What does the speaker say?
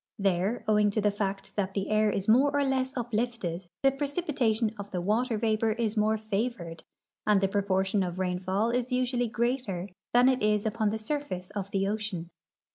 There, owing to the fact that the air is more or less uplifted, the precipitation of the water vapor is more favored, and the proportion of rainfall is usually greater than it is upon the surface of the ocean.